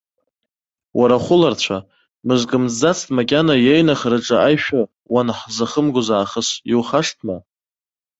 Уара ахәыларцәа, мызк мҵӡацт макьана, иеиныхраҿы аишәа уанҳзахымгоз аахыс, иухашҭма?!